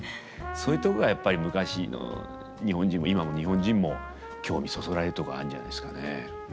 そういうとこがやっぱり昔の日本人も今の日本人も興味そそられるとこがあるんじゃないですかね。